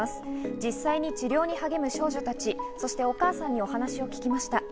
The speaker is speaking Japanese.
実際に治療に励む少女たち、そしてお母さんにお話を聞きました。